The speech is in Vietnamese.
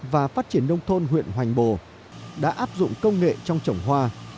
và phát triển nông thôn huyện hoành bồ đã áp dụng công nghệ trong trồng hoa